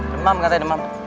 demam katanya demam